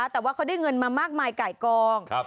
แต่ว่าเขาได้เงินมามากมายไก่กอง